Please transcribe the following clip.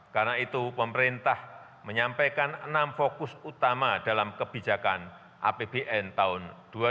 karena itu pemerintah menyampaikan enam fokus utama dalam kebijakan apbn tahun dua ribu dua puluh dua